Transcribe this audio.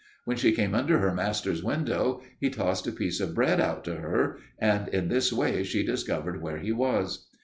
When she came under her master's window he tossed a piece of bread out to her, and in this way she discovered where he was.